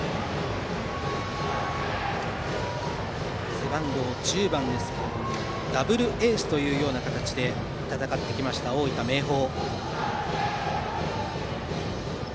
背番号１０番ですがダブルエースというような形で戦ってきた大分の明豊。